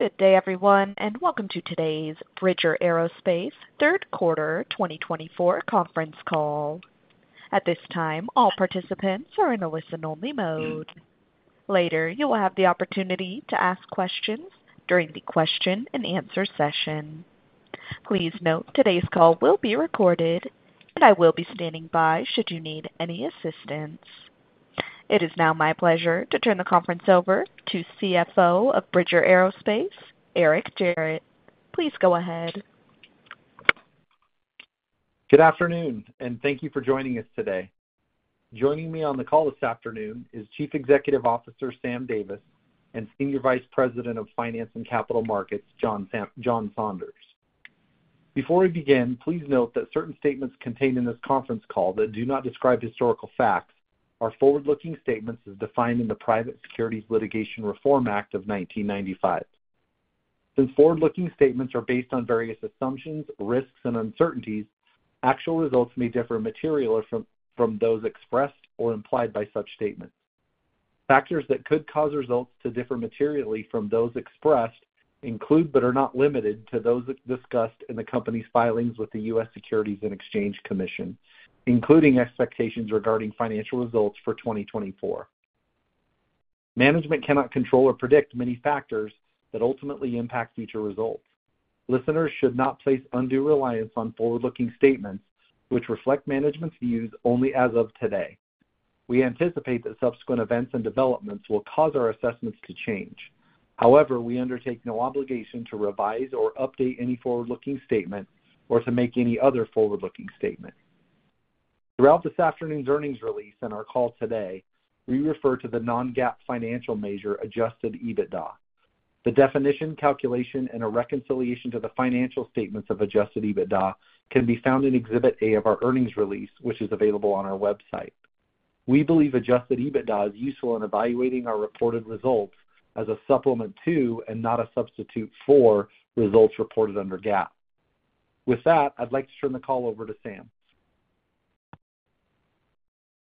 Good day, everyone, and welcome to today's Bridger Aerospace third quarter 2024 conference call. At this time, all participants are in a listen-only mode. Later, you will have the opportunity to ask questions during the question-and-answer session. Please note today's call will be recorded, and I will be standing by should you need any assistance. It is now my pleasure to turn the conference over to CFO of Bridger Aerospace, Eric Gerratt. Please go ahead. Good afternoon, and thank you for joining us today. Joining me on the call this afternoon is Chief Executive Officer Sam Davis and Senior Vice President of Finance and Capital Markets, John Tanis. Before we begin, please note that certain statements contained in this conference call that do not describe historical facts are forward-looking statements as defined in the Private Securities Litigation Reform Act of 1995. Since forward-looking statements are based on various assumptions, risks, and uncertainties, actual results may differ materially from those expressed or implied by such statements. Factors that could cause results to differ materially from those expressed include, but are not limited to, those discussed in the company's filings with the U.S. Securities and Exchange Commission, including expectations regarding financial results for 2024. Management cannot control or predict many factors that ultimately impact future results. Listeners should not place undue reliance on forward-looking statements, which reflect management's views only as of today. We anticipate that subsequent events and developments will cause our assessments to change. However, we undertake no obligation to revise or update any forward-looking statement or to make any other forward-looking statement. Throughout this afternoon's earnings release and our call today, we refer to the non-GAAP financial measure, Adjusted EBITDA. The definition, calculation, and a reconciliation to the financial statements of Adjusted EBITDA can be found in Exhibit A of our earnings release, which is available on our website. We believe Adjusted EBITDA is useful in evaluating our reported results as a supplement to and not a substitute for results reported under GAAP. With that, I'd like to turn the call over to Sam.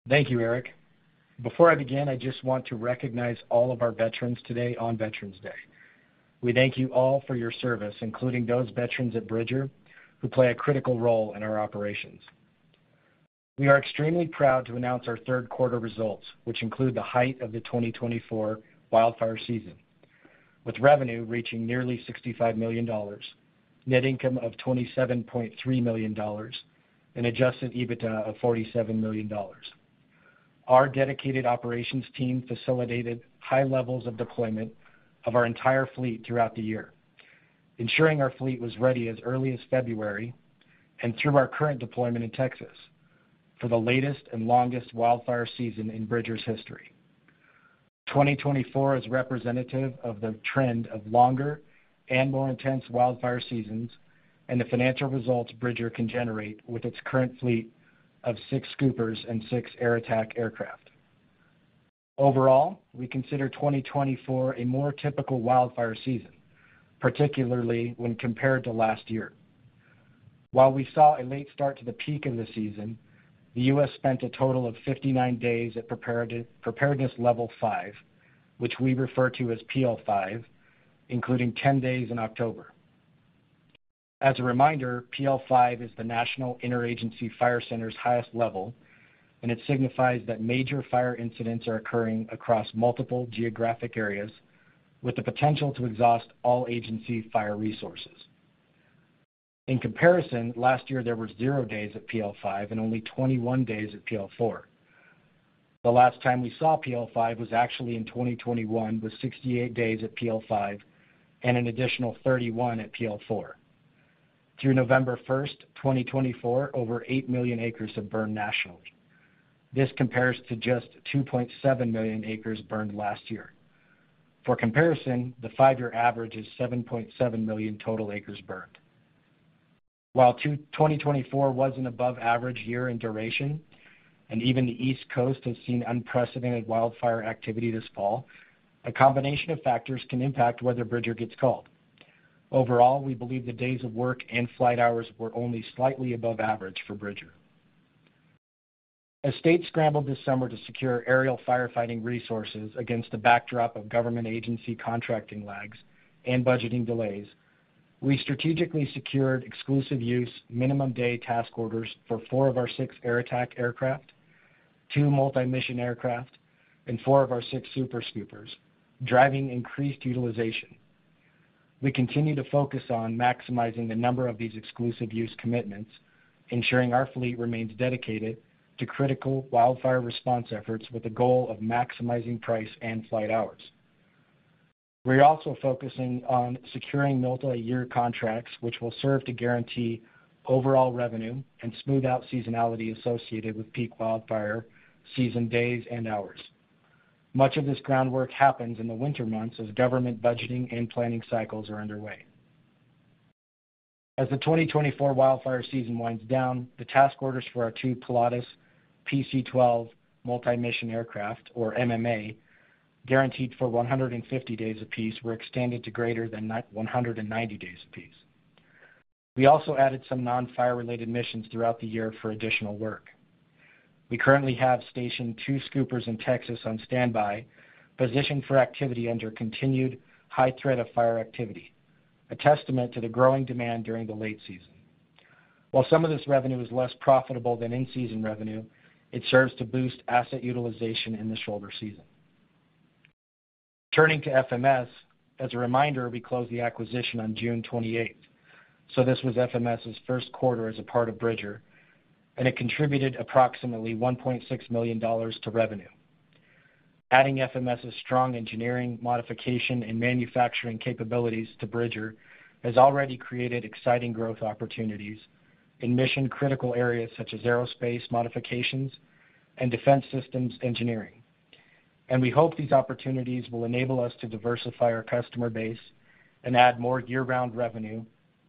Thank you, Eric. Before I begin, I just want to recognize all of our veterans today on Veterans Day. We thank you all for your service, including those veterans at Bridger who play a critical role in our operations. We are extremely proud to announce our third quarter results, which include the height of the 2024 wildfire season, with revenue reaching nearly $65 million, net income of $27.3 million, and Adjusted EBITDA of $47 million. Our dedicated operations team facilitated high levels of deployment of our entire fleet throughout the year, ensuring our fleet was ready as early as February and through our current deployment in Texas for the latest and longest wildfire season in Bridger's history. 2024 is representative of the trend of longer and more intense wildfire seasons and the financial results Bridger can generate with its current fleet of six scoopers and six air attack aircraft. Overall, we consider 2024 a more typical wildfire season, particularly when compared to last year. While we saw a late start to the peak of the season, the U.S. spent a total of 59 days at preparedness level five, which we refer to as PL5, including 10 days in October. As a reminder, PL5 is the National Interagency Fire Center's highest level, and it signifies that major fire incidents are occurring across multiple geographic areas with the potential to exhaust all agency fire resources. In comparison, last year there were zero days at PL5 and only 21 days at PL4. The last time we saw PL5 was actually in 2021, with 68 days at PL5 and an additional 31 at PL4. Through November 1, 2024, over eight million acres have burned nationally. This compares to just 2.7 million acres burned last year. For comparison, the five-year average is 7.7 million total acres burned. While 2024 was an above-average year in duration, and even the East Coast has seen unprecedented wildfire activity this fall, a combination of factors can impact whether Bridger gets called. Overall, we believe the days of work and flight hours were only slightly above average for Bridger. As states scrambled this summer to secure aerial firefighting resources against the backdrop of government agency contracting lags and budgeting delays, we strategically secured exclusive use minimum day task orders for four of our six air attack aircraft, two multi-mission aircraft, and four of our six Super Scoopers, driving increased utilization. We continue to focus on maximizing the number of these exclusive use commitments, ensuring our fleet remains dedicated to critical wildfire response efforts with the goal of maximizing price and flight hours. We are also focusing on securing multi-year contracts, which will serve to guarantee overall revenue and smooth out seasonality associated with peak wildfire season days and hours. Much of this groundwork happens in the winter months as government budgeting and planning cycles are underway. As the 2024 wildfire season winds down, the task orders for our two Pilatus PC-12 multi-mission aircraft, or MMA, guaranteed for 150 days apiece, were extended to greater than 190 days apiece. We also added some non-fire-related missions throughout the year for additional work. We currently have stationed two scoopers in Texas on standby, positioned for activity under continued high threat of fire activity, a testament to the growing demand during the late season. While some of this revenue is less profitable than in-season revenue, it serves to boost asset utilization in the shoulder season. Turning to FMS, as a reminder, we closed the acquisition on June 28. So this was FMS's first quarter as a part of Bridger, and it contributed approximately $1.6 million to revenue. Adding FMS's strong engineering, modification, and manufacturing capabilities to Bridger has already created exciting growth opportunities in mission-critical areas such as aerospace modifications and defense systems engineering. And we hope these opportunities will enable us to diversify our customer base and add more year-round revenue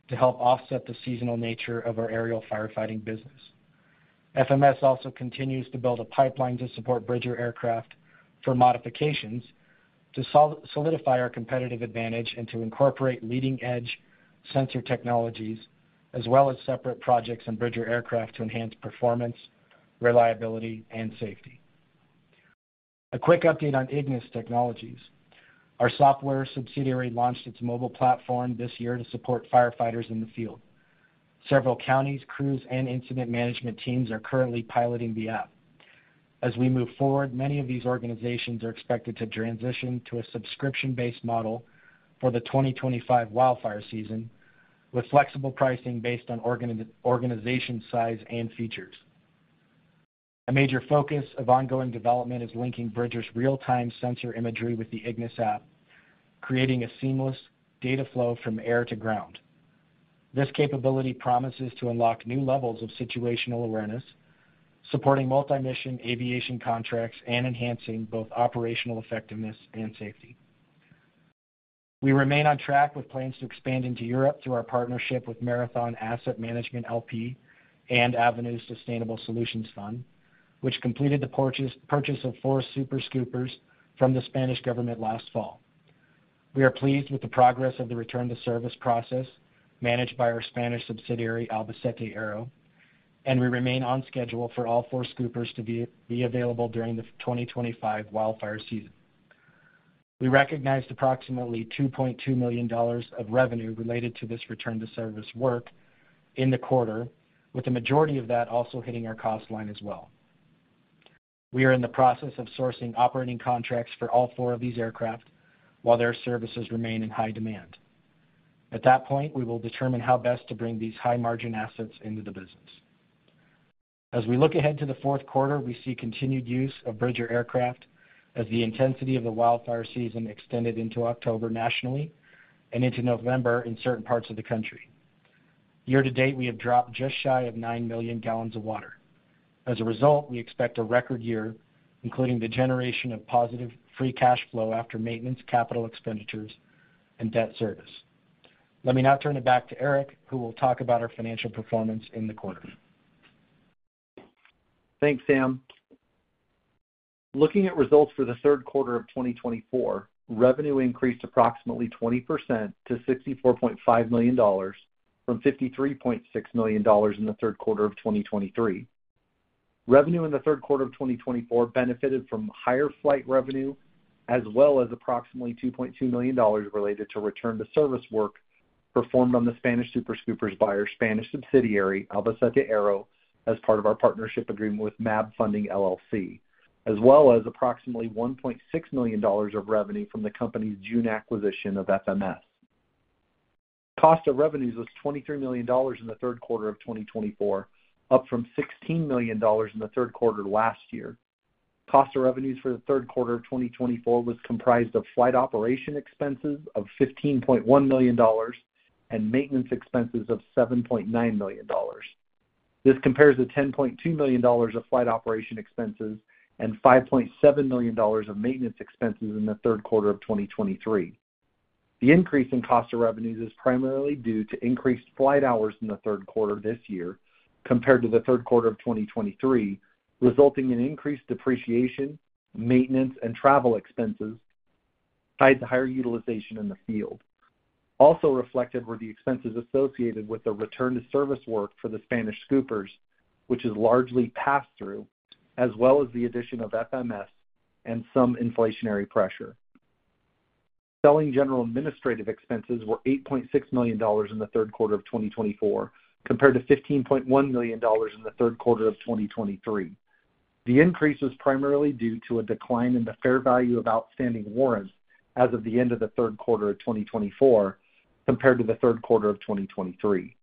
to help offset the seasonal nature of our aerial firefighting business. FMS also continues to build a pipeline to support Bridger aircraft for modifications to solidify our competitive advantage and to incorporate leading-edge sensor technologies, as well as separate projects in Bridger aircraft to enhance performance, reliability, and safety. A quick update on Ignis Technologies. Our software subsidiary launched its mobile platform this year to support firefighters in the field. Several counties, crews, and incident management teams are currently piloting the app. As we move forward, many of these organizations are expected to transition to a subscription-based model for the 2025 wildfire season, with flexible pricing based on organization size and features. A major focus of ongoing development is linking Bridger's real-time sensor imagery with the Ignis app, creating a seamless data flow from air to ground. This capability promises to unlock new levels of situational awareness, supporting multi-mission aviation contracts and enhancing both operational effectiveness and safety. We remain on track with plans to expand into Europe through our partnership with Marathon Asset Management LP and Avenue Sustainable Solutions Fund, which completed the purchase of four super scoopers from the Spanish government last fall. We are pleased with the progress of the return-to-service process managed by our Spanish subsidiary, Albacete Aero, and we remain on schedule for all four scoopers to be available during the 2025 wildfire season. We recognized approximately $2.2 million of revenue related to this return-to-service work in the quarter, with the majority of that also hitting our cost line as well. We are in the process of sourcing operating contracts for all four of these aircraft while their services remain in high demand. At that point, we will determine how best to bring these high-margin assets into the business. As we look ahead to the fourth quarter, we see continued use of Bridger aircraft as the intensity of the wildfire season extended into October nationally and into November in certain parts of the country. Year to date, we have dropped just shy of nine million gallons of water. As a result, we expect a record year, including the generation of positive free cash flow after maintenance, capital expenditures, and debt service. Let me now turn it back to Eric, who will talk about our financial performance in the quarter. Thanks, Sam. Looking at results for the third quarter of 2024, revenue increased approximately 20% to $64.5 million from $53.6 million in the third quarter of 2023. Revenue in the third quarter of 2024 benefited from higher flight revenue, as well as approximately $2.2 million related to return-to-service work performed on the Spanish super scoopers by our Spanish subsidiary, Albacete Aero, as part of our partnership agreement with MAB Funding LLC, as well as approximately $1.6 million of revenue from the company's June acquisition of FMS. Cost of revenues was $23 million in the third quarter of 2024, up from $16 million in the third quarter last year. Cost of revenues for the third quarter of 2024 was comprised of flight operation expenses of $15.1 million and maintenance expenses of $7.9 million. This compares to $10.2 million of flight operation expenses and $5.7 million of maintenance expenses in the third quarter of 2023. The increase in cost of revenues is primarily due to increased flight hours in the third quarter this year compared to the third quarter of 2023, resulting in increased depreciation, maintenance, and travel expenses tied to higher utilization in the field. Also reflected were the expenses associated with the return-to-service work for the Spanish super scoopers, which is largely pass-through, as well as the addition of FMS and some inflationary pressure. Selling general administrative expenses were $8.6 million in the third quarter of 2024, compared to $15.1 million in the third quarter of 2023. The increase was primarily due to a decline in the fair value of outstanding warrants as of the end of the third quarter of 2024 compared to the third quarter of 2023.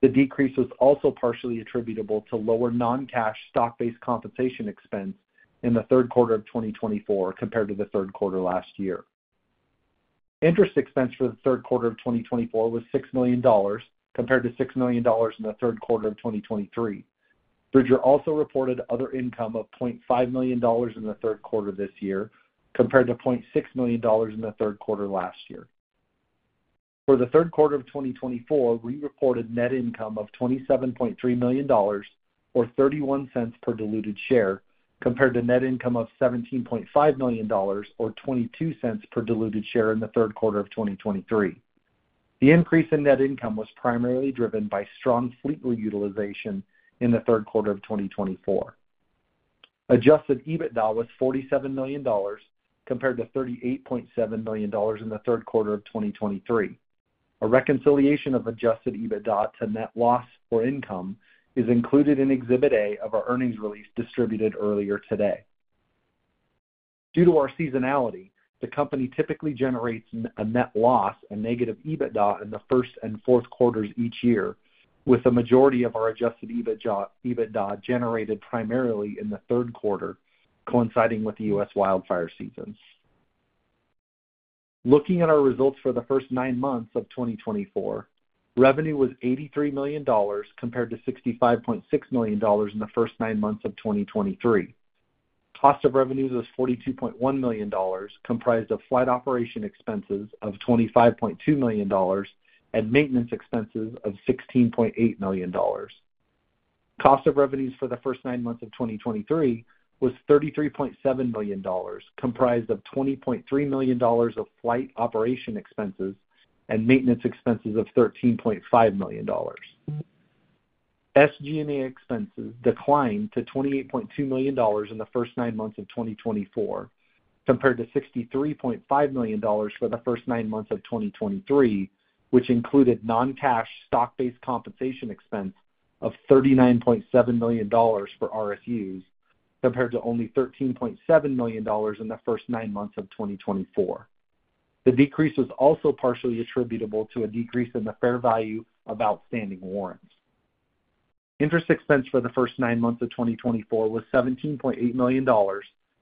The decrease was also partially attributable to lower non-cash stock-based compensation expense in the third quarter of 2024 compared to the third quarter last year. Interest expense for the third quarter of 2024 was $6 million compared to $6 million in the third quarter of 2023. Bridger also reported other income of $0.5 million in the third quarter this year compared to $0.6 million in the third quarter last year. For the third quarter of 2024, we reported net income of $27.3 million, or $0.31 per diluted share, compared to net income of $17.5 million, or $0.22 per diluted share in the third quarter of 2023. The increase in net income was primarily driven by strong fleet reutilization in the third quarter of 2024. Adjusted EBITDA was $47 million compared to $38.7 million in the third quarter of 2023. A reconciliation of Adjusted EBITDA to net loss or income is included in Exhibit A of our earnings release distributed earlier today. Due to our seasonality, the company typically generates a net loss and negative EBITDA in the first and fourth quarters each year, with the majority of our Adjusted EBITDA generated primarily in the third quarter, coinciding with the U.S. wildfire seasons. Looking at our results for the first nine months of 2024, revenue was $83 million compared to $65.6 million in the first nine months of 2023. Cost of revenues was $42.1 million, comprised of flight operation expenses of $25.2 million and maintenance expenses of $16.8 million. Cost of revenues for the first nine months of 2023 was $33.7 million, comprised of $20.3 million of flight operation expenses and maintenance expenses of $13.5 million. SG&A expenses declined to $28.2 million in the first nine months of 2024, compared to $63.5 million for the first nine months of 2023, which included non-cash stock-based compensation expense of $39.7 million for RSUs, compared to only $13.7 million in the first nine months of 2024. The decrease was also partially attributable to a decrease in the fair value of outstanding warrants. Interest expense for the first nine months of 2024 was $17.8 million,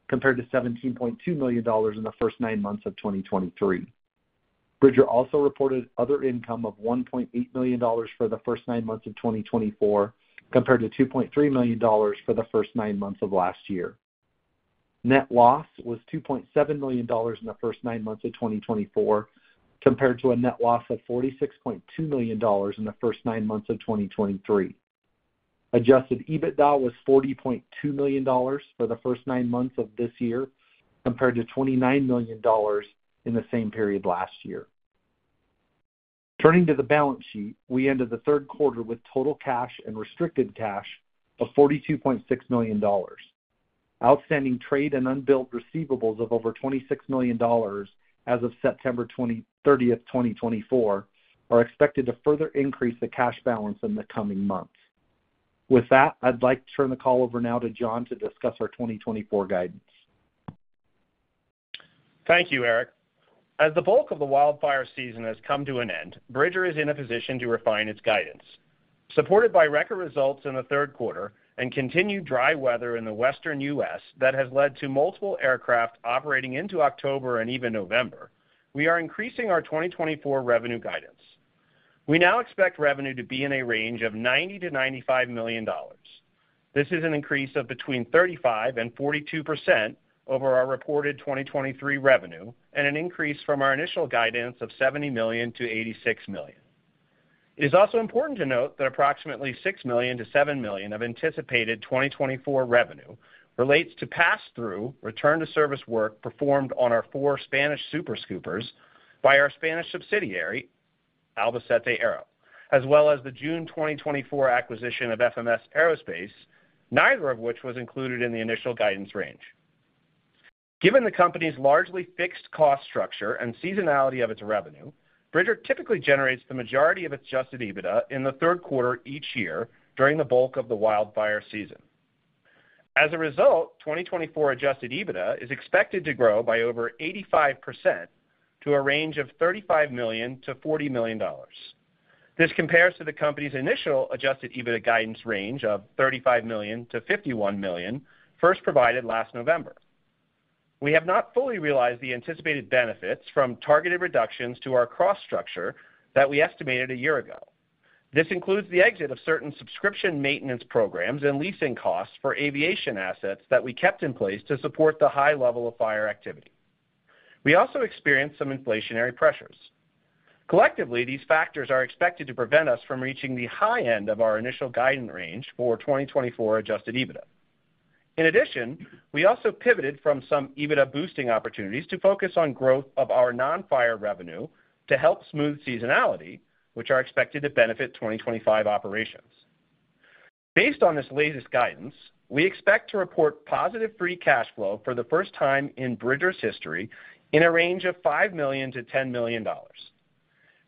compared to $17.2 million in the first nine months of 2023. Bridger also reported other income of $1.8 million for the first nine months of 2024, compared to $2.3 million for the first nine months of last year. Net loss was $2.7 million in the first nine months of 2024, compared to a net loss of $46.2 million in the first nine months of 2023. Adjusted EBITDA was $40.2 million for the first nine months of this year, compared to $29 million in the same period last year. Turning to the balance sheet, we ended the third quarter with total cash and restricted cash of $42.6 million. Outstanding trade and unbilled receivables of over $26 million as of September 30, 2024, are expected to further increase the cash balance in the coming months. With that, I'd like to turn the call over now to John to discuss our 2024 guidance. Thank you, Eric. As the bulk of the wildfire season has come to an end, Bridger is in a position to refine its guidance. Supported by record results in the third quarter and continued dry weather in the western U.S. that has led to multiple aircraft operating into October and even November, we are increasing our 2024 revenue guidance. We now expect revenue to be in a range of $90-$95 million. This is an increase of between 35%-42% over our reported 2023 revenue and an increase from our initial guidance of $70-$86 million. It is also important to note that approximately $6-$7 million of anticipated 2024 revenue relates to pass-through return-to-service work performed on our four Spanish super scoopers by our Spanish subsidiary, Albacete Aero, as well as the June 2024 acquisition of FMS Aerospace, neither of which was included in the initial guidance range. Given the company's largely fixed cost structure and seasonality of its revenue, Bridger typically generates the majority of its adjusted EBITDA in the third quarter each year during the bulk of the wildfire season. As a result, 2024 Adjusted EBITDA is expected to grow by over 85% to a range of $35 million-$40 million. This compares to the company's initial Adjusted EBITDA guidance range of $35 million-$51 million, first provided last November. We have not fully realized the anticipated benefits from targeted reductions to our cost structure that we estimated a year ago. This includes the exit of certain subscription maintenance programs and leasing costs for aviation assets that we kept in place to support the high level of fire activity. We also experienced some inflationary pressures. Collectively, these factors are expected to prevent us from reaching the high end of our initial guidance range for 2024 Adjusted EBITDA. In addition, we also pivoted from some EBITDA boosting opportunities to focus on growth of our non-fire revenue to help smooth seasonality, which are expected to benefit 2025 operations. Based on this latest guidance, we expect to report positive free cash flow for the first time in Bridger's history in a range of $5 million-$10 million.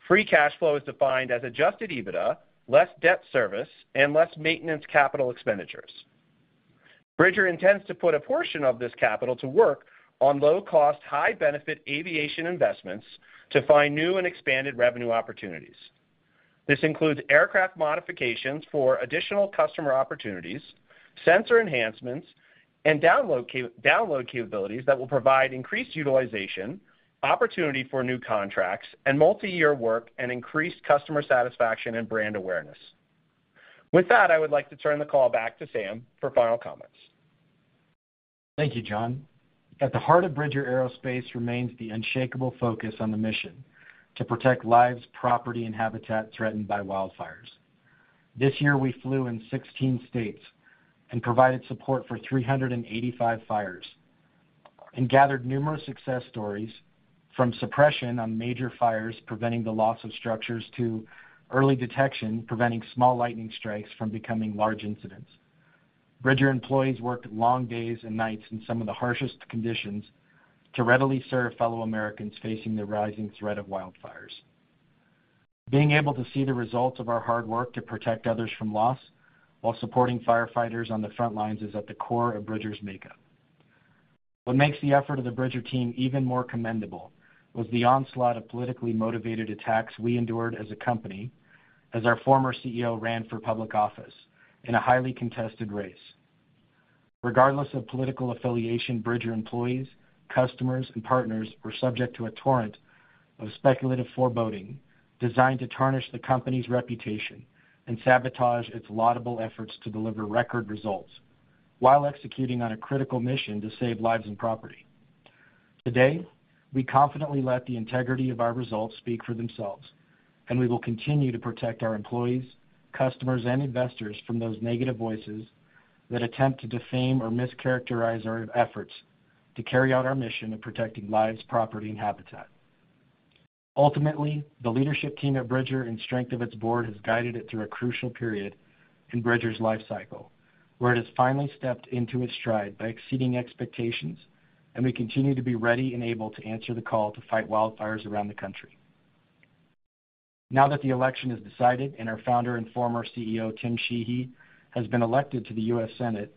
Free cash flow is defined as Adjusted EBITDA, less debt service, and less maintenance capital expenditures. Bridger intends to put a portion of this capital to work on low-cost, high-benefit aviation investments to find new and expanded revenue opportunities. This includes aircraft modifications for additional customer opportunities, sensor enhancements, and download capabilities that will provide increased utilization, opportunity for new contracts, and multi-year work, and increased customer satisfaction and brand awareness. With that, I would like to turn the call back to Sam for final comments. Thank you, John. At the heart of Bridger Aerospace remains the unshakable focus on the mission to protect lives, property, and habitat threatened by wildfires. This year, we flew in 16 states and provided support for 385 fires and gathered numerous success stories from suppression on major fires, preventing the loss of structures, to early detection, preventing small lightning strikes from becoming large incidents. Bridger employees worked long days and nights in some of the harshest conditions to readily serve fellow Americans facing the rising threat of wildfires. Being able to see the results of our hard work to protect others from loss while supporting firefighters on the front lines is at the core of Bridger's makeup. What makes the effort of the Bridger team even more commendable was the onslaught of politically motivated attacks we endured as a company as our former CEO ran for public office in a highly contested race. Regardless of political affiliation, Bridger employees, customers, and partners were subject to a torrent of speculative foreboding designed to tarnish the company's reputation and sabotage its laudable efforts to deliver record results while executing on a critical mission to save lives and property. Today, we confidently let the integrity of our results speak for themselves, and we will continue to protect our employees, customers, and investors from those negative voices that attempt to defame or mischaracterize our efforts to carry out our mission of protecting lives, property, and habitat. Ultimately, the leadership team at Bridger and strength of its board has guided it through a crucial period in Bridger's life cycle, where it has finally stepped into its stride by exceeding expectations, and we continue to be ready and able to answer the call to fight wildfires around the country. Now that the election is decided and our founder and former CEO, Tim Sheehy, has been elected to the U.S. Senate,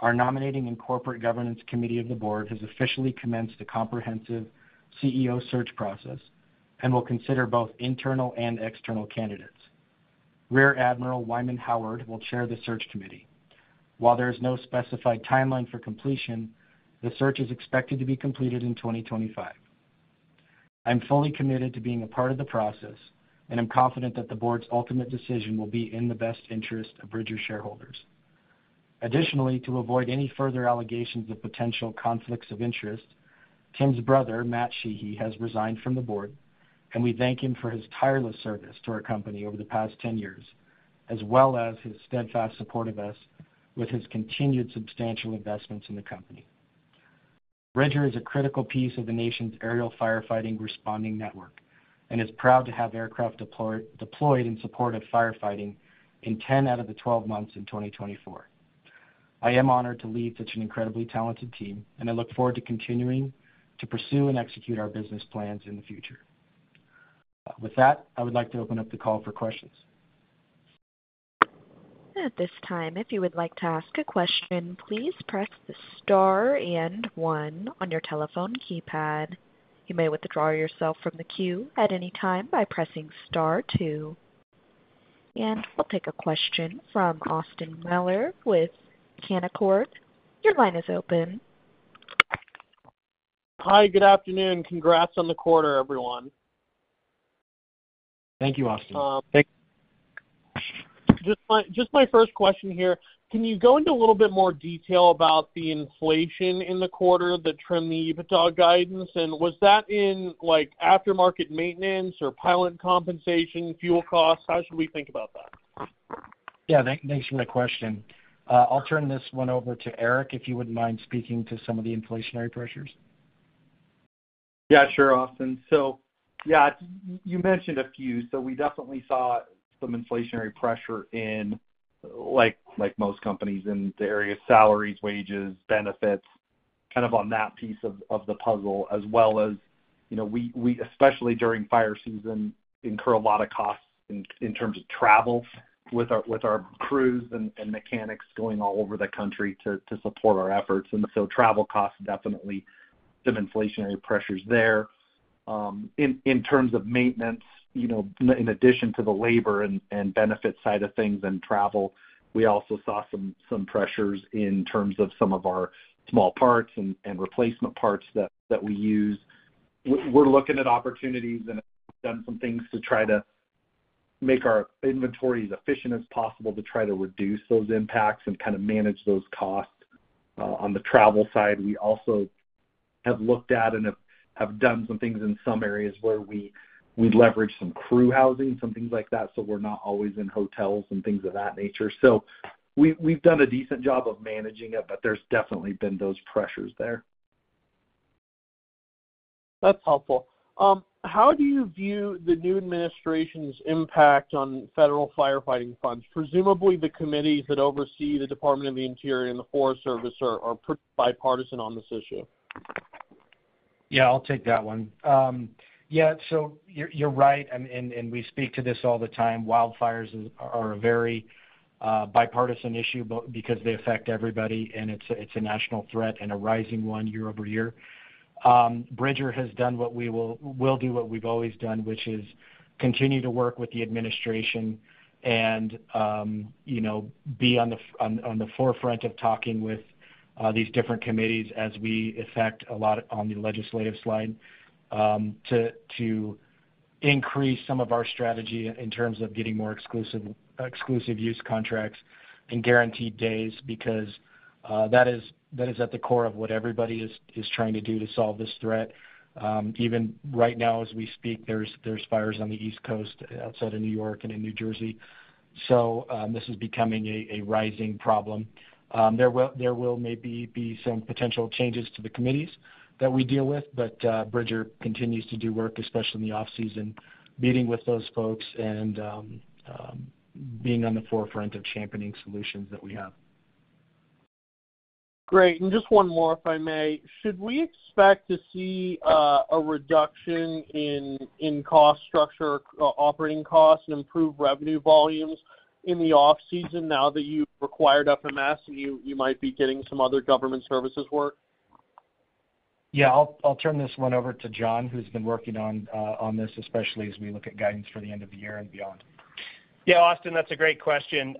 our nominating and corporate governance committee of the board has officially commenced a comprehensive CEO search process and will consider both internal and external candidates. Rear Admiral Wyman Howard will chair the search committee. While there is no specified timeline for completion, the search is expected to be completed in 2025. I'm fully committed to being a part of the process, and I'm confident that the board's ultimate decision will be in the best interest of Bridger shareholders. Additionally, to avoid any further allegations of potential conflicts of interest, Tim's brother, Matt Sheehy, has resigned from the board, and we thank him for his tireless service to our company over the past 10 years, as well as his steadfast support of us with his continued substantial investments in the company. Bridger is a critical piece of the nation's aerial firefighting responding network and is proud to have aircraft deployed in support of firefighting in 10 out of the 12 months in 2024. I am honored to lead such an incredibly talented team, and I look forward to continuing to pursue and execute our business plans in the future. With that, I would like to open up the call for questions. At this time, if you would like to ask a question, please press the star and one on your telephone keypad. You may withdraw yourself from the queue at any time by pressing star two. And we'll take a question from Austin Moeller with Canaccord. Your line is open. Hi, good afternoon. Congrats on the quarter, everyone. Thank you, Austin. Thank you. Just my first question here. Can you go into a little bit more detail about the inflation in the quarter that trimmed the EBITDA guidance? And was that in aftermarket maintenance or pilot compensation, fuel costs? How should we think about that? Yeah, thanks for my question. I'll turn this one over to Eric, if you wouldn't mind speaking to some of the inflationary pressures. Yeah, sure, Austin. So yeah, you mentioned a few. So we definitely saw some inflationary pressure in, like most companies in the area, salaries, wages, benefits, kind of on that piece of the puzzle, as well as we, especially during fire season, incur a lot of costs in terms of travel with our crews and mechanics going all over the country to support our efforts. And so travel costs definitely some inflationary pressures there. In terms of maintenance, in addition to the labor and benefit side of things and travel, we also saw some pressures in terms of some of our small parts and replacement parts that we use. We're looking at opportunities and have done some things to try to make our inventories as efficient as possible to try to reduce those impacts and kind of manage those costs on the travel side. We also have looked at and have done some things in some areas where we leverage some crew housing, some things like that, so we're not always in hotels and things of that nature. So we've done a decent job of managing it, but there's definitely been those pressures there. That's helpful. How do you view the new administration's impact on federal firefighting funds? Presumably, the committees that oversee the U.S. Department of the Interior and the U.S. Forest Service are bipartisan on this issue. Yeah, I'll take that one. Yeah, so you're right, and we speak to this all the time. Wildfires are a very bipartisan issue because they affect everybody, and it's a national threat and a rising one year over year. Bridger has done what we will do, what we've always done, which is continue to work with the administration and be on the forefront of talking with these different committees as we affect a lot on the legislative side to increase some of our strategy in terms of getting more exclusive use contracts and guaranteed days because that is at the core of what everybody is trying to do to solve this threat. Even right now, as we speak, there's fires on the East Coast outside of New York and in New Jersey. So this is becoming a rising problem. There will maybe be some potential changes to the committees that we deal with, but Bridger continues to do work, especially in the off-season, meeting with those folks and being on the forefront of championing solutions that we have. Great. And just one more, if I may. Should we expect to see a reduction in cost structure, operating costs, and improved revenue volumes in the off-season now that you've acquired FMS and you might be getting some other government services work? Yeah, I'll turn this one over to John, who's been working on this, especially as we look at guidance for the end of the year and beyond. Yeah, Austin, that's a great question.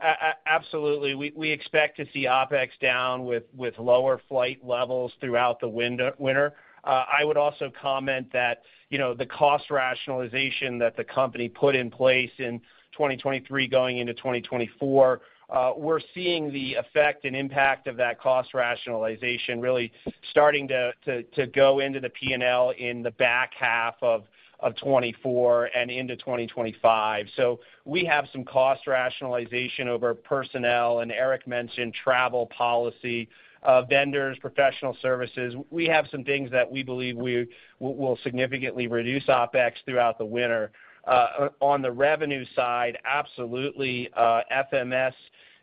Absolutely. We expect to see OpEx down with lower flight levels throughout the winter. I would also comment that the cost rationalization that the company put in place in 2023 going into 2024, we're seeing the effect and impact of that cost rationalization really starting to go into the P&L in the back half of 2024 and into 2025. So we have some cost rationalization over personnel, and Eric mentioned travel policy, vendors, professional services. We have some things that we believe will significantly reduce OpEx throughout the winter. On the revenue side, absolutely, FMS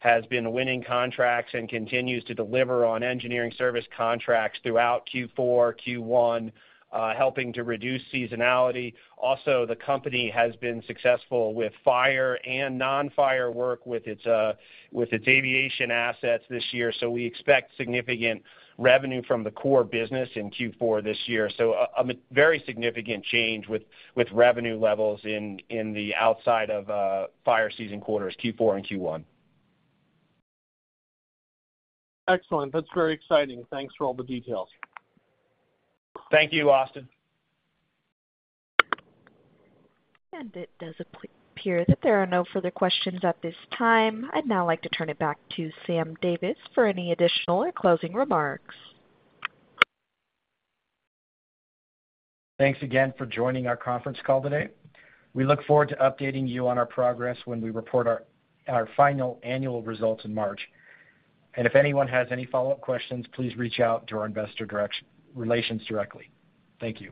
has been winning contracts and continues to deliver on engineering service contracts throughout Q4, Q1, helping to reduce seasonality. Also, the company has been successful with fire and non-fire work with its aviation assets this year. So we expect significant revenue from the core business in Q4 this year. A very significant change with revenue levels in the outside of fire season quarters, Q4 and Q1. Excellent. That's very exciting. Thanks for all the details. Thank you, Austin. It does appear that there are no further questions at this time. I'd now like to turn it back to Sam Davis for any additional or closing remarks. Thanks again for joining our conference call today. We look forward to updating you on our progress when we report our final annual results in March. And if anyone has any follow-up questions, please reach out to our investor relations directly. Thank you.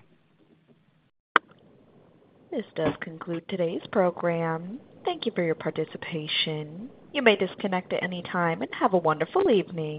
This does conclude today's program. Thank you for your participation. You may disconnect at any time and have a wonderful evening.